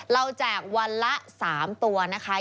แจกวันละ๓ตัวนะคะ